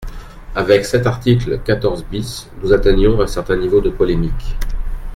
Avec cet article quatorze bis, nous atteignons un certain niveau de polémique.